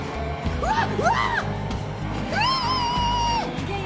うわっ！